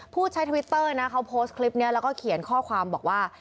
ผู้ใช้ทวิตเตอร์นะเขาโพสต์คลิปนี้แล้วก็เขียนข้อความบอกว่า